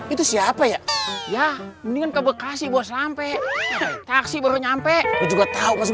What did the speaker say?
itu siapa ya ya mendingan ke bekasi bos sampai taksi baru nyampe juga tahu langsung